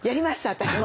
私も。